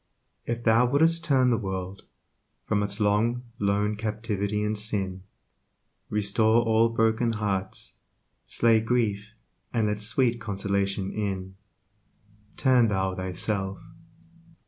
If thou would'st turn the world From its long, lone captivity in sin, Restore all broken hearts, Slay grief, and let sweet consolation in, Turn thou thyself.